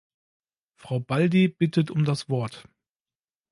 Frau Baldi bittet um das Wort.